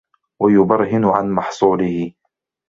وَيُبَرْهِنُ عَنْ مَحْصُولِهِ